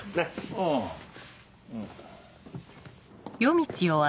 あぁうん。